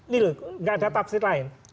nih loh gak ada tafsir lain